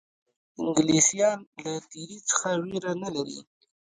انګلیسیان له تېري څخه وېره نه لري.